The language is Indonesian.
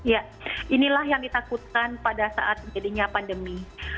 ya inilah yang ditakutkan pada saat jadinya pandemi